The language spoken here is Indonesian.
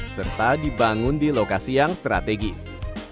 serta dibangun di lokasi yang strategis